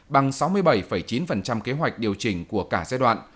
bằng sáu mươi bảy chín kế hoạch điều chỉnh của cả giai đoạn